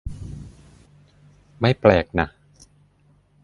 ไม่แปลกน่ะ